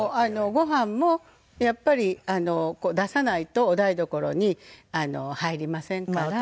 ごはんもやっぱり出さないとお台所に入りませんから。